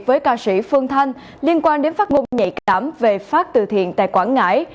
với ca sĩ phương thanh liên quan đến phát ngôn nhạy cảm về phát từ thiện tại quảng ngãi